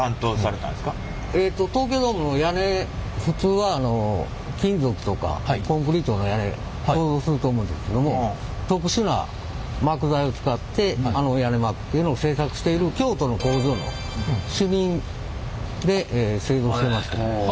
東京ドームの屋根普通は金属とかコンクリートの屋根想像すると思うんですけども特殊な膜材を使ってあの屋根膜というのを製作している京都の工場の主任で製造してました。